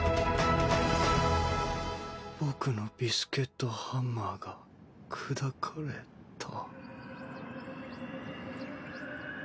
僕のビスケットハンマーが砕かれた。